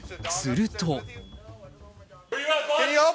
すると。